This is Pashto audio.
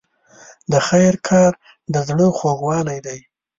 د خیر کار د زړه خوږوالی دی.